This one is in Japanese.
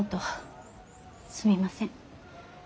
すみません。